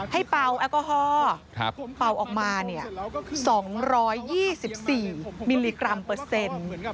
เป่าแอลกอฮอล์เป่าออกมา๒๒๔มิลลิกรัมเปอร์เซ็นต์